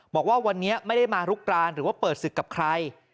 บอกว่าวันนี้ไม่ได้มาลุกรานหรือว่าเปิดศึกกับใคร